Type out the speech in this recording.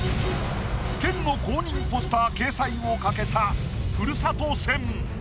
県の公認ポスター掲載を懸けたふるさと戦。